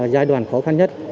giai đoạn khó khăn nhất